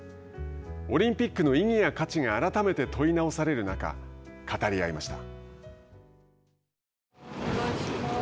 オリンピックの意義や価値が改めて問い直される中語り合いました。